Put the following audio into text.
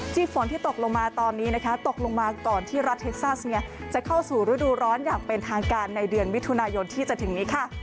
ฝนที่ตกลงมาตอนนี้นะคะตกลงมาก่อนที่รัฐเท็กซัสจะเข้าสู่ฤดูร้อนอย่างเป็นทางการในเดือนมิถุนายนที่จะถึงนี้ค่ะ